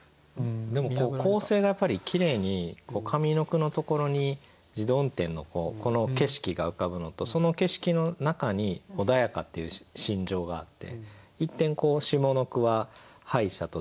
でも構成がやっぱりきれいに上の句のところに自動運転のこの景色が浮かぶのとその景色の中に穏やかっていう心情があって一転下の句は「歯医者」と「ざわめく」。